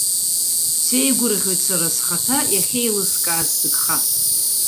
Сеигәырӷьоит сара схаҭа иахьеилыскааз сыгха.